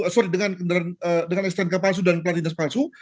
sorry dengan stnk palsu dan pelan dinas palsu